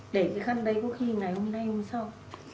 để cái khăn đấy có khi ngày hôm nay như sau